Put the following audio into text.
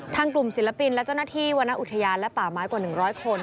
ทางกลุ่มศิลปินและเจ้าหน้าที่วรรณอุทยานและป่าไม้กว่า๑๐๐คน